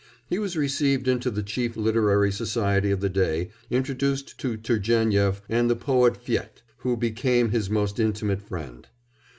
He was received into the chief literary society of the day, introduced to Turgénief and the poet Fet, who became his most intimate friend.